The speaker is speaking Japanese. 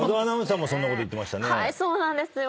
はいそうなんですよ。